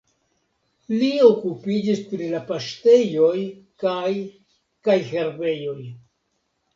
Li okupiĝis pri la paŝtejoj kaj kaj herbejoj.